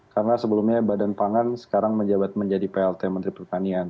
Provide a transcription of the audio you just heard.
karena sebelumnya badan pangan sekarang menjabat menjadi plt menteri pertanian